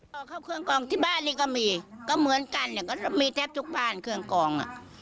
เอาเข้าเครื่องกองที่บ้านนี่ก็มีก็เหมือนกันเนี่ยก็มีแทบทุกบ้านเครื่องกองอ่ะ